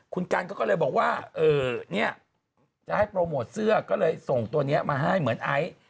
คุณกันเขาก็เลยบอกว่าเนี่ยจะให้โปรโมทเสื้อก็เลยส่งตัวนี้มาให้เหมือนไอซ์